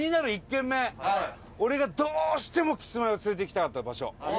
俺がどうしても、キスマイを連れて行きたかった場所。